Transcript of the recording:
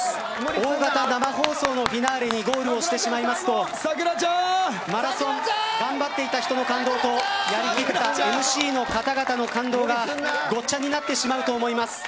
大型生放送のフィナーレにゴールしてしまいますとマラソンを頑張っていた人の感動と、やり切ったＭＣの方々の感動がごっちゃになってしまうと思います。